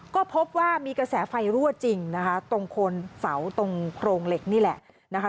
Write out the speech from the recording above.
ก็พบว่ามีกระแสไฟรั่วจริงนะคะตรงโคนเสาตรงโครงเหล็กนี่แหละนะคะ